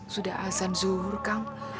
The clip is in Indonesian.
sudah azan zuhur kang